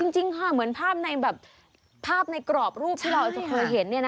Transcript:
จริงค่ะเหมือนภาพในแบบภาพในกรอบรูปที่เราจะเคยเห็น